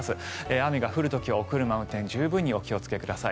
雨が降る時はお車の運転にお気をつけください。